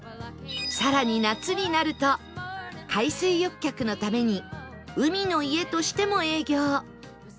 更に夏になると海水浴客のために海の家としても営業